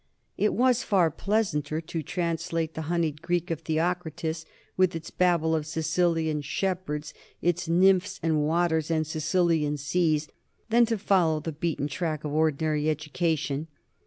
It was far pleasanter to translate the honeyed Greek of Theocritus, with its babble of Sicilian shepherds, its nymphs and waters and Sicilian seas, than to follow the beaten track of ordinary education.